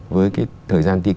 với cái thời gian thi công